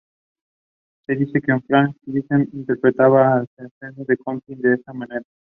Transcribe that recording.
Se dice que Franz Liszt interpretaba el Scherzo de Chopin de esta manera.